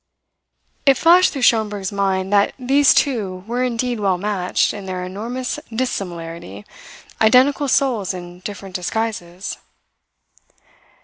It flashed through Schomberg's mind: that these two were indeed well matched in their enormous dissimilarity, identical souls in different disguises.